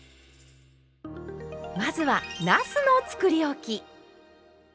まずはなすのつくりおき。